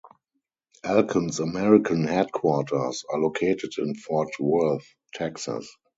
Alcon's American headquarters are located in Fort Worth, Texas.